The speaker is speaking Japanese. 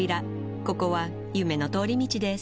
ここは夢の通り道です